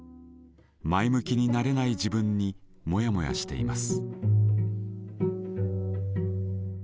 前向きになれない自分にモヤモヤしています。